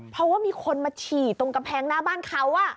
เพราะว่ามีคนมาฉี่ตรงกำแพงหน้าบ้านเขา